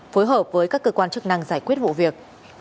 phối hợp với các cơ quan chức năng giải quyết vụ việc